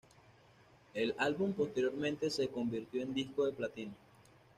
El álbum posteriormente se convirtió en disco de platino.